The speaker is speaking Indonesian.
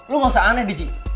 lo nggak usah aneh dici